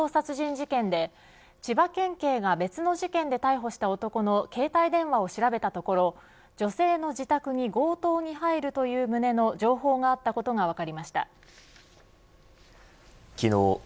東京、狛江市の住宅で９０歳の女性が死亡した強盗殺人事件で千葉県警が別の事件で逮捕した男の携帯電話を調べたところ女性の自宅に強盗に入るという旨の情報があったことが分かりました。